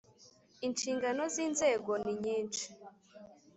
Inshingano z ‘inzego ninyishi.